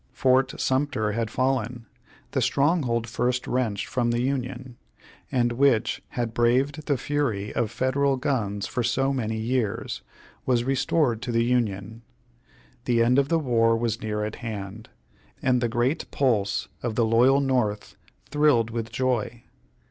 Fort Sumter had fallen; the stronghold first wrenched from the Union; and which had braved the fury of Federal guns for so many years, was restored to the Union; the end of the war was near at hand, and the great pulse of the loyal North thrilled with joy.